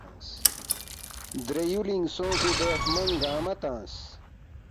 (درے یولِنگ سونگفی دے ہرمنگ گنگما تنگس